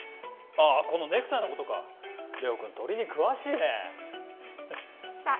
あっこのネクタイのことか玲央くん鳥に詳しいねさあ